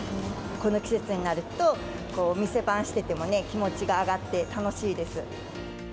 この季節になると、店番しててもね、気持ちが上がって、楽しいです。